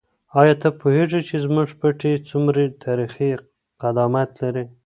آیا ته پوهېږې چې زموږ پټی څومره تاریخي قدامت لري؟